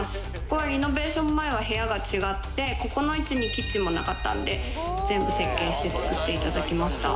ここはリノベーション前は部屋が違ってここの位置にキッチンもなかったんで全部設計して作っていただきました。